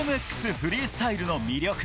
フリースタイルの魅力。